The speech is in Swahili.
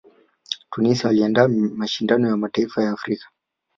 tunisia waliandaa mashindano ya mataifa ya afrika